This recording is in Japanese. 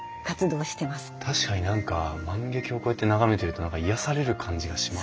確かに何か万華鏡をこうやって眺めていると何か癒やされる感じがします。